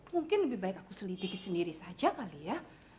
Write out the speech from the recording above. mungkin lebih baik aku selidiki sendiri saja kali ya